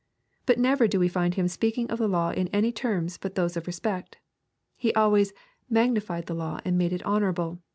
But never do we find Him speaking of the law in any terms but those of respect. He always " magnified the law and made it honorable."